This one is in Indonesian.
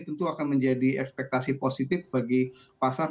tentu akan menjadi ekspektasi positif bagi pasar